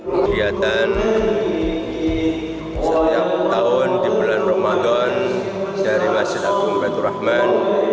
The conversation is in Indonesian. kegiatan setiap tahun di bulan ramadan dari masjid akhbar ibn battur rahman